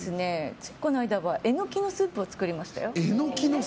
ついこの間はエノキのスープを作りましたよ。